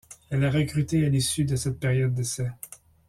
Elle est recrutée à l'issue de cette période d'essai.